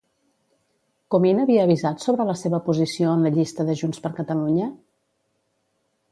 Comín havia avisat sobre la seva posició en la llista de Junts per Catalunya?